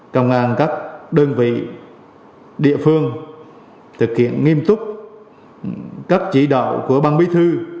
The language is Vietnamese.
công an các đơn vị địa phương thực hiện nghiêm túc các chỉ đạo của ban bí thư